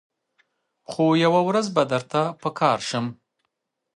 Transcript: خو یوه ورځ به درته په کار سم